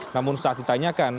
namun saat ditanyakan